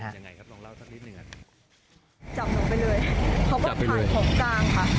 จับหนูไปเลยเขาก็ผ่านของกลางค่ะ